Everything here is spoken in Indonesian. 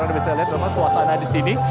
anda bisa lihat memang suasana di sini